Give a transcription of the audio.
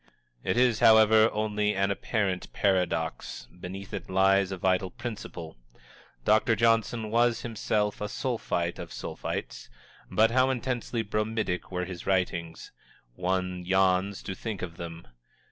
It is, however, only an apparent paradox beneath it lies a vital principle. Dr. Johnson was, himself, a Sulphite of the Sulphites, but how intensely bromidic were his writings! One yawns to think of them.